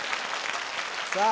さあ